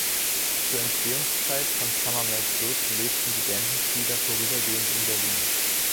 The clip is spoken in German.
Zur Entstehungszeit von "Summer Make Good" lebten die Bandmitglieder vorübergehend in Berlin.